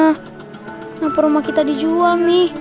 kenapa rumah kita dijual nih